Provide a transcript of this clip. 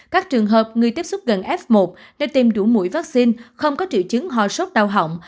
các trường hợp người tiếp xúc gần f một để tiêm đủ mũi vaccine không có triệu chứng ho sốt đau hỏng